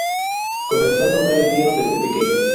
Comenzó a tocar el piano desde pequeño.